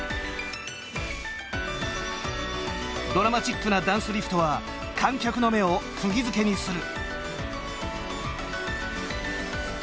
ドラマチックなダンスリフトは観客の目をくぎ付けにする。